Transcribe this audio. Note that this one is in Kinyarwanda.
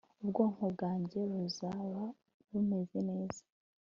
ubwonko bwawe buzaba bumeze neza